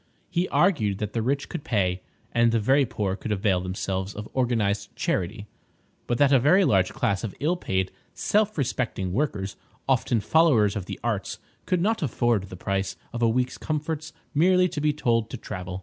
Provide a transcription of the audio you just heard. He argued that the rich could pay, and the very poor could avail themselves of organised charity, but that a very large class of ill paid, self respecting workers, often followers of the arts, could not afford the price of a week's comforts merely to be told to travel.